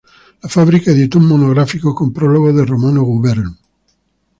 La Fábrica editó un monográfico, con prólogo de Romano Gubern.